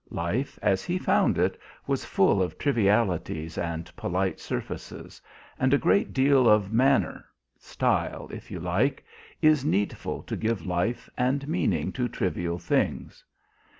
Life, as he found it, was full of trivialities and polite surfaces; and a great deal of manner style, if you like is needful to give life and meaning to trivial things.